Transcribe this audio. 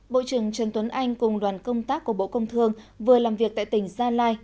bộ trưởng trần tuấn anh cùng đoàn công tác của bộ công thương vừa làm việc tại tỉnh gia lai